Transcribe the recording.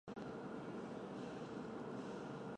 笏形蕈珊瑚为蕈珊瑚科蕈珊瑚属下的一个种。